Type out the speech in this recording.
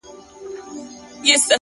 خداى دي كړي خير ياره څه سوي نه وي;